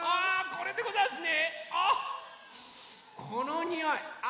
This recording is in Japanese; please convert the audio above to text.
あっこのにおいあ